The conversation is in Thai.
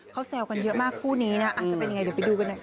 เขาแซวกันเยอะมากคู่นี้นะอาจจะเป็นยังไงเดี๋ยวไปดูกันหน่อยค่ะ